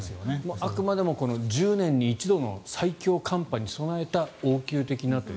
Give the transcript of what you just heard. あくまでも１０年に一度の最強寒波に備えた応急的なという。